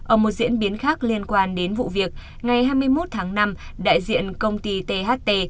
ở một diễn biến khác liên quan đến vụ việc ngày hai mươi một tháng năm đại diện công ty tht